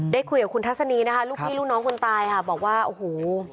ได้คุยกับคุณทัศนีนะคะลูกพี่ลูกน้องคนตายค่ะบอกว่าโอ้โห